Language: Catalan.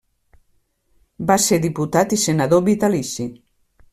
Va ser diputat i senador vitalici.